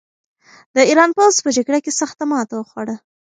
د ایران پوځ په جګړه کې سخته ماته وخوړه.